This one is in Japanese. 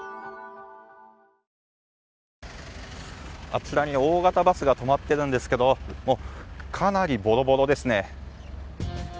あちらに大型バスが止まっているんですけどかなりボロボロですね。